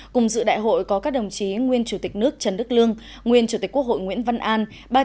cùng dự đại hội có các đồng chí nguyên chủ tịch nước trần đức lương nguyên chủ tịch quốc hội nguyễn văn an